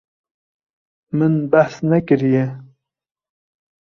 Min behs nekiriye.